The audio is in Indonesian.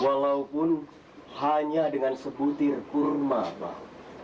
walaupun hanya dengan sebutir kurma pak